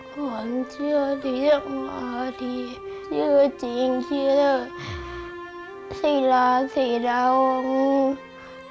ความเชื่อที่จะมาที่ชื่อจริงชื่อสิลาสิดาวงศ์